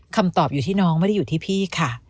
คำตอบอยู่ที่น้องไม่ได้อยู่ที่พี่ค่ะ